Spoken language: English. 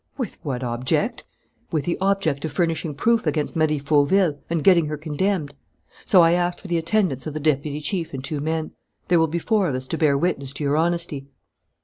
"With what object?" "With the object of furnishing proof against Marie Fauville and getting her condemned. So I asked for the attendance of the deputy chief and two men. There will be four of us to bear witness to your honesty."